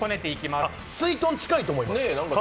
すいとん、近いと思います。